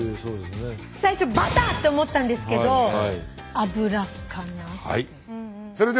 最初バターって思ったんですけど油かなって。